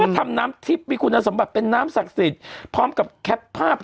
ทำน้ำทิพย์มีคุณสมบัติเป็นน้ำศักดิ์สิทธิ์พร้อมกับแคปภาพ